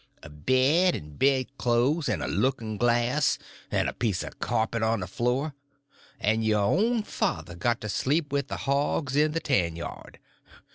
A bed; and bedclothes; and a look'n' glass; and a piece of carpet on the floor—and your own father got to sleep with the hogs in the tanyard.